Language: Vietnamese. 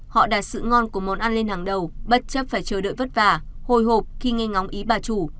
họ đạt sự ngon của món ăn lên hàng đầu bất chấp phải chờ đợi vất vả hồi hộp khi nghe ngóng ý bà chủ